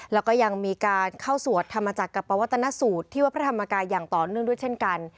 แล้วก็ยังมีการเข้าสวดธรรมจักรกับปวัตนสูตรที่วัดพระธรรมกายอย่างต่อเนื่องด้วยเช่นกัน